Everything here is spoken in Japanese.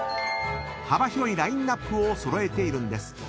［幅広いラインアップを揃えているんです］